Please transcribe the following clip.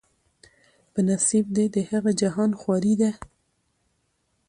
په نصیب دي د هغه جهان خواري ده